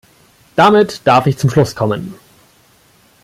Damit darf ich zum Schluss kommen.